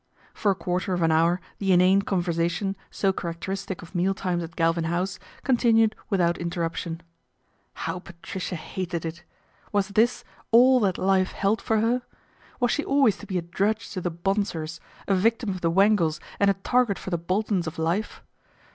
For a quarter of an hour the inane conversation so characteristic of meal times at Galvin House continued without interruption. How Patricia hated it. Was this all that hfe held for her ? Was she always to be a drudge to the Bonsors, a victim of the Wangles and a target for the Boltons of life